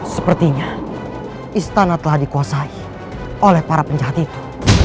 sepertinya istana telah dikuasai oleh para penjahat itu